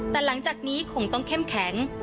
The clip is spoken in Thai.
แต่หลังจากนี้คงต้องเข้มแข็ง